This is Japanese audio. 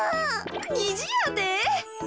にじやて？